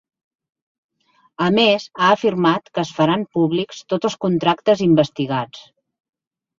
A més, ha afirmat que es faran públics tots els contractes investigats.